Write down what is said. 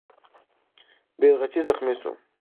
بیرغچی زخمي سو.